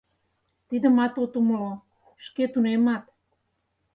Тидымат от умыло, шке тунемат.